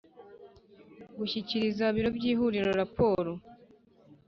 Gushyikiriza biro y ihuriro raporo